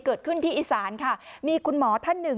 เกิดขึ้นที่อีสานค่ะมีคุณหมอท่านหนึ่ง